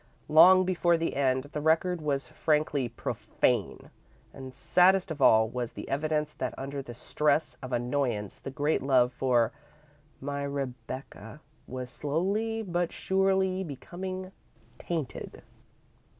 Long before the end, the record was frankly profane, and saddest of all was the evidence that under the stress of annoyance the great love for "my Rebecca" was slowly, but surely, becoming tainted.